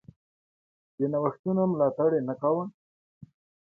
د نوښتونو ملاتړ یې نه کاوه.